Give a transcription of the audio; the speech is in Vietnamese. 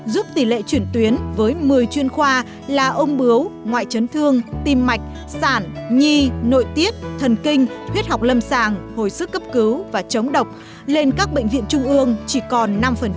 giúp tỷ lệ chuyển tuyến với một mươi chuyên khoa là ôm bướu ngoại chấn thương tim mạch sản nhi nội tiết thần kinh huyết học lâm sàng hồi sức cấp cứu và chống độc lên các bệnh viện trung ương chỉ còn năm